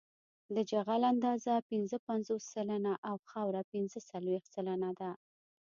د جغل اندازه پنځه پنځوس سلنه او خاوره پنځه څلویښت سلنه ده